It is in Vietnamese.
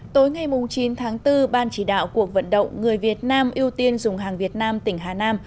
tối ngày chín tháng bốn ban chỉ đạo cuộc vận động người việt nam ưu tiên dùng hàng việt nam tỉnh hà nam